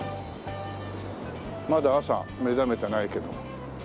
まだ朝目覚めてないけども。